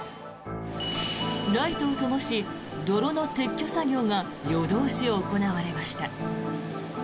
ライトをともし泥の撤去作業が夜通し行われました。